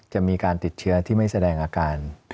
จะมีการติดเชื้อที่ไม่แสดงอาการ